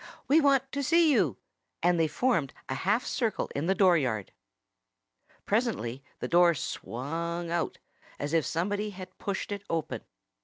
"We want to see you!" And they formed a half circle in the dooryard. Presently the door swung out, as if somebody had pushed it open.